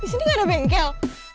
di sini gak ada bengkel